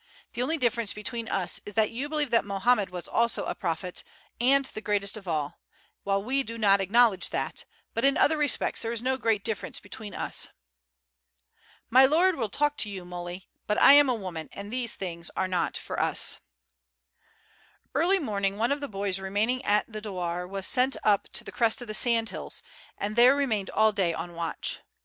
The only difference between us is that you believe that Mohammed was also a prophet, and the greatest of all, while we do not acknowledge that, but in other respects there is no great difference between us." "My lord will talk to you, Muley; I am but a woman, and these things are not for us." Each morning one of the boys remaining at the douar was sent up to the crest of the sand hills, and there remained all day on watch.